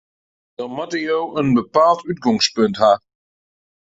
Dan moatte jo in bepaald útgongspunt ha.